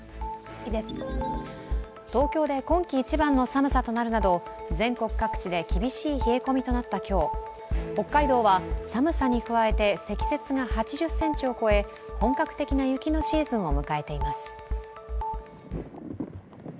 東京で今季一番の寒さとなるなど全国各地で厳しい冷え込みとなった今日、北海道は寒さに加えて、積雪が８０ｃｍを超え本格的な雪のシーズンを迎えています。